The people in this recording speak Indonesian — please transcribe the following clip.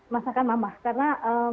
masakan mama karena